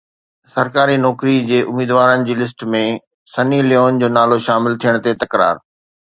سرڪاري نوڪري جي اميدوارن جي لسٽ ۾ سني ليون جو نالو شامل ٿيڻ تي تڪرار